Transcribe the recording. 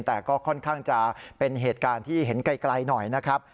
แต่ก็ค่อนข้างจะเป็นเหตุการณ์ที่เห็นไกลหน่อยนะครับ